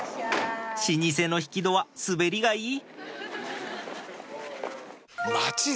老舗の引き戸は滑りがいい